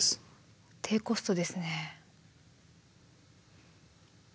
低コストですね。